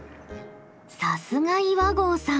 さすが岩合さん。